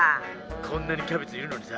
こんなにキャベツいるのにさ